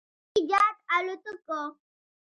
جنګي جت الوتکو